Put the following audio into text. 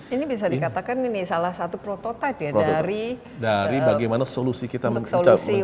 ini bisa dikatakan ini salah satu prototipe ya dari bagaimana solusi kita untuk solusi